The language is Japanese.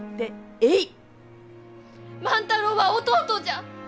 万太郎は弟じゃ！